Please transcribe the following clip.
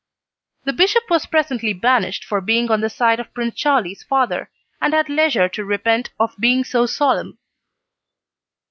The bishop was presently banished for being on the side of Prince Charlie's father, and had leisure to repent of being so solemn.